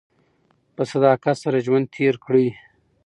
په صداقت سره ژوند تېر کړئ.